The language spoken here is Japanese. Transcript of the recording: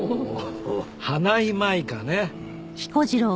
花井舞香ね。